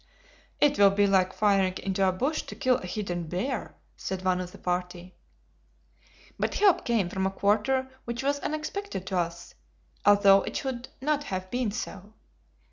"It will be like firing into a bush to kill a hidden bear," said one of the party. But help came from a quarter which was unexpected to us, although it should not have been so.